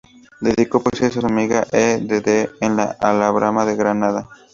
Dedicó poesías a su amiga E. de D. en La Alhambra de Granada.